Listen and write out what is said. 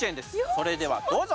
それではどうぞ！